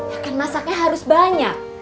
ya kan masaknya harus banyak